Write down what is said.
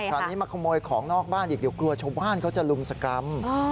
คราวนี้มาขโมยของนอกบ้านอีกเดี๋ยวกลัวชาวบ้านเขาจะลุมสกรรม